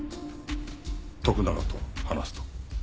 「徳永と話す」と。